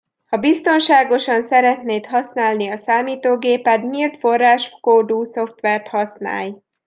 Ha biztonságosan szeretnéd használni a számítógéped, nyílt forráskódú szoftvert használj!